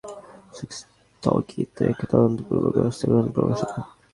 যদিও বিশেষজ্ঞরা চাঁদা গ্রহণ প্রক্রিয়া স্থগিত রেখে তদন্তপূর্বক ব্যবস্থা গ্রহণের পরামর্শ দেন।